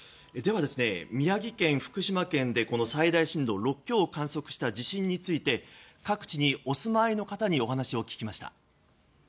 では、宮城県、福島県で最大震度６強を観測した地震について各地にお住まいの方にお話を聞きました。